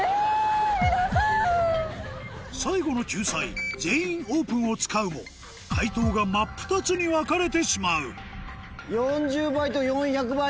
最後の救済「全員オープン」を使うも解答が真っ二つに分かれてしまう２人とも４００倍？